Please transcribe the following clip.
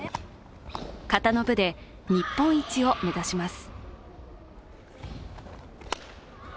形の部で日本一を目指します。